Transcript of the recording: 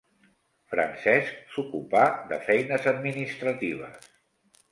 Francesc s'ocupà de feines administratives.